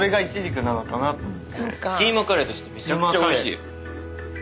キーマカレーとしてめちゃくちゃおいしい。